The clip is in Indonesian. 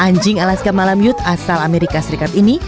anjing alaska malamute asal amerika serikat ini